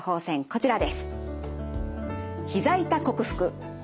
こちらです。